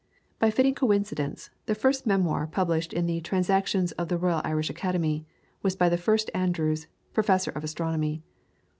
By a fitting coincidence, the first memoir published in the "Transactions Of The Royal Irish Academy," was by the first Andrews, Professor of Astronomy.